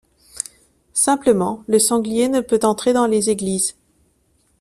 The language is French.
Simplement, le sanglier ne peut entrer dans les églises.